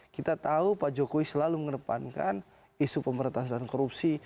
kita tahu pak jokowi selalu mengerepankan isu pemerintahan korupsi